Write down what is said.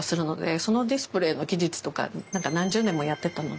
そのディスプレーの技術とか何か何十年もやってたので。